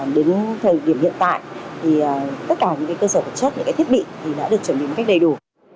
đến thời điểm hiện tại thì tất cả những cơ sở vật chất những thiết bị đã được chuẩn bị một cách đầy đủ